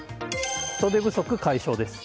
人手不足解消です。